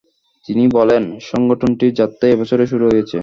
তিনি বলেন, সংগঠনটির যাত্রা এ বছরই শুরু হয়েছে।